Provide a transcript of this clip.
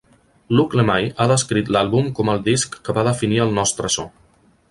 Luc Lemay ha descrit l'àlbum com el disc que va definir el nostre so.